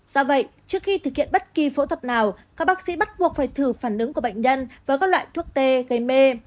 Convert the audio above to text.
do vậy trước khi thực hiện bất kỳ phẫu thuật nào các bác sĩ bắt buộc phải thử phản ứng của bệnh nhân với các loại thuốc tê gây mê